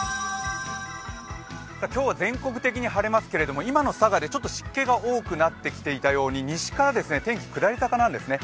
今日は全国的に晴れますけど今の佐賀、湿気が多くなってきたように西から天気、下り坂なんですね。